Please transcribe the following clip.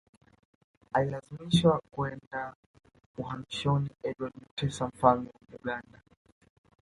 Alimlazimisha kwenda uhamishoni Edward Mutesa Mfalme wa Buganda